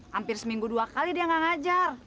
hampir seminggu dua kali dia gak ngajar